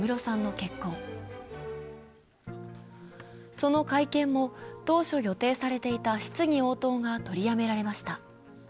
その会見も、当初予定されていた質疑応答が取りやめられました。